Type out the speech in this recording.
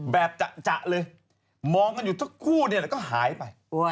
แบบจะเลยมองกันอยู่ทุกคู่ก็หายไป